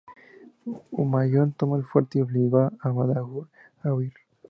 Humayun tomó el fuerte y obligó a Bahadur a huir.